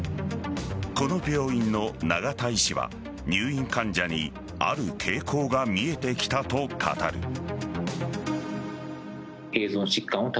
この病院の永田医師は入院患者にある傾向が見えてきたと語る。